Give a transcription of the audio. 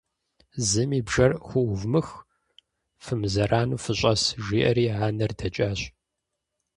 – Зыми бжэр хуӏувмых, фымызэрану фыщӏэс, - жиӏэри анэр дэкӏащ.